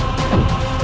aku akan menang